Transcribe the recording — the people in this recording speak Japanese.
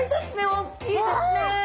大きいですね！